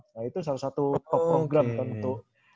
nah itu salah satu program tentu